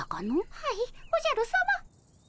はいおじゃるさま。